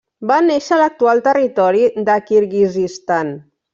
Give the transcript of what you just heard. Va néixer a l'actual territori de Kirguizistan.